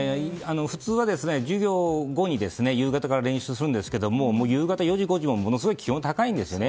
普通は授業後に夕方から練習するんですが夕方４時、５時もものすごい気温が高いんですね。